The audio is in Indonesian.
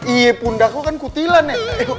iye pundak lo kan kutilan ya